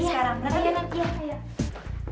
iya langsung aja kita lakuin sekarang